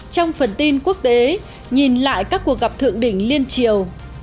trong phần tin quốc tế nhìn lại các cuộc gặp thượng đỉnh liên triều